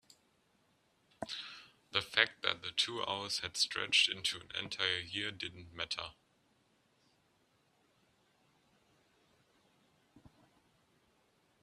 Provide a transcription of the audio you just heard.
the fact that the two hours had stretched into an entire year didn't matter.